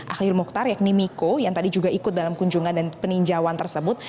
ahli mukhtar yakni miko yang tadi juga ikut dalam kunjungan dan peninjauan tersebut